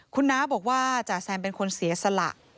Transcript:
คุณน้าบอกว่าจ่าแซมเป็นคนเสียสละ